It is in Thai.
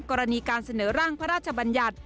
กรณีการเสนอร่างพระราชบัญญัติ